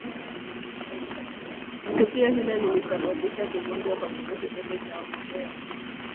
Tukio hilo lilisababisha kuvunjwa kwa kikosi chote cha wanahewa